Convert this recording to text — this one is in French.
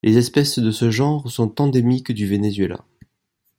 Les espèces de ce genre sont endémiques du Venezuela.